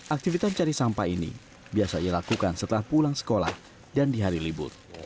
aktivitas cari sampah ini biasa ia lakukan setelah pulang sekolah dan di hari libur